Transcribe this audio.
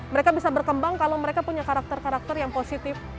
mereka bisa berkembang kalau mereka punya karakter karakter yang positif